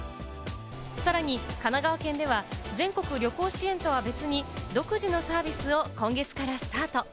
さらに神奈川県では全国旅行支援とは別に、独自のサービスを今月からスタート。